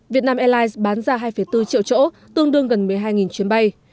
việt nam airlines bán ra hai bốn triệu chỗ tương đương gần một mươi hai chuyến bay